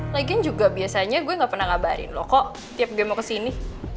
lagi juga biasanya gue gak pernah ngabarin lo kok tiap kali mau ke sini